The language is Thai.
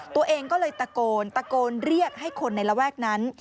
ตัวเองก็เลยตะโกนตะโกนเรียกให้คนในระแวกนั้น